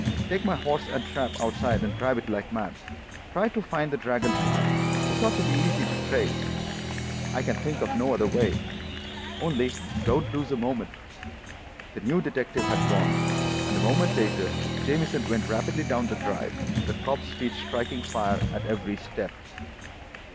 Take my horse and trap outside and drive like mad. Try to find the Dragon Fly—it ought to be easy to trace. I can think of no other way. Only, don't lose a moment." The new detective had gone, and a moment later Jamieson went rapidly down the drive, the cob's feet striking fire at every step.